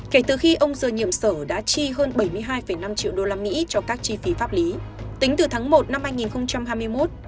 kể từ khi ông giờ nhiệm sở đã chi hơn bảy mươi hai năm triệu usd cho các chi phí pháp lý tính từ tháng một năm hai nghìn hai mươi một